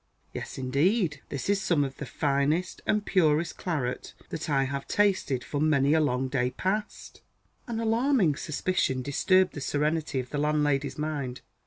"Yes, indeed. This is some of the finest and purest claret that I have tasted for many a long day past." An alarming suspicion disturbed the serenity of the landlady's mind.